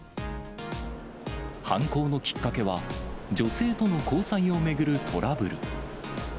犯行のきっかけは、女性との交際を巡るトラブル。